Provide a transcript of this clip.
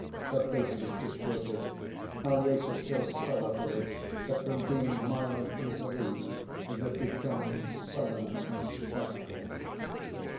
Her face was distorted. Alyosha saw sorrowfully that from being mild and serene, it had become sullen and spiteful.